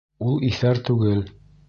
Ул иҫәр түгел.